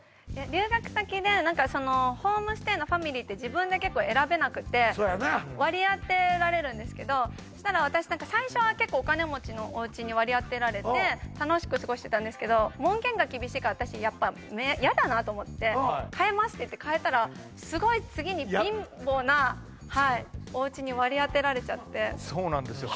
留学先で何かそのホームステイのファミリーって自分で結構選べなくてそやな割り当てられるんですけどしたら私最初は結構お金持ちのおうちに割り当てられて楽しく過ごしてたんですけど門限が厳しいから私やっぱ嫌だなと思って変えますって言って変えたらすごい次に貧乏なはいおうちに割り当てられちゃってそうなんですよ